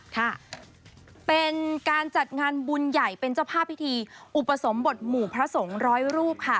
ค่ะเป็นการจัดงานบุญใหญ่เป็นเจ้าภาพพิธีอุปสมบทหมู่พระสงฆ์ร้อยรูปค่ะ